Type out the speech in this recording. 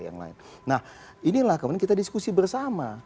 nah inilah kemudian kita diskusi bersama